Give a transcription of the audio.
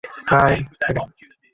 না, আমি জিততে চাই।